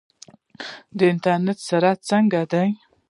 د انټرنیټ سرعت څنګه دی؟